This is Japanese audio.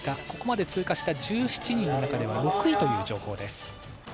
ここまで通過した１７人の中では６位です。